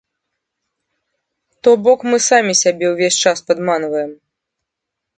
То бок мы самі сябе ўвесь час падманваем.